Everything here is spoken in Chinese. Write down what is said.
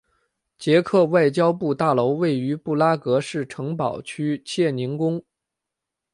捷克外交部大楼位于布拉格市城堡区切宁宫。